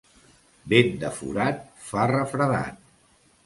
Vent de forat fa refredat.